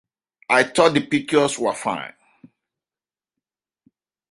I thought the pictures were fine.